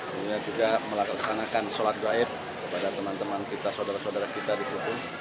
kita juga melakukan solat goib kepada teman teman kita saudara saudara kita di situ